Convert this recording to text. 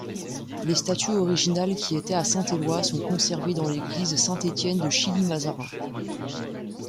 Les statues originales qui étaient à Saint-Éloi sont conservées dans l'église Saint-Étienne de Chilly-Mazarin.